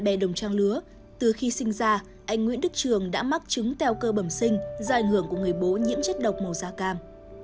bè đồng trang lứa từ khi sinh ra anh nguyễn đức trường đã mắc chứng teo cơ bẩm sinh do ảnh hưởng của người bố nhiễm chất độc màu da cam